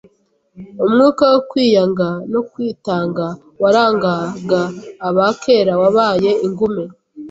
Umwuka wo kwiyanga no kwitanga warangaga aba kera wabaye ingume.